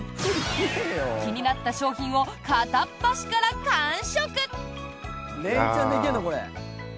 気になった商品を片っ端から完食！